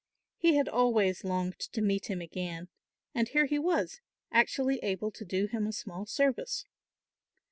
He had always longed to meet him again; and here he was, actually able to do him a small service.